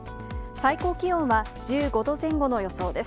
最高気温は１５度前後の予想です。